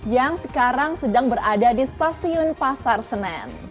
yang sekarang sedang berada di stasiun pasar senen